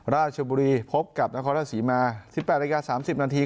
ราชบุรีพบกับนครสีมา๑๘นาฬิกา๓๐นาที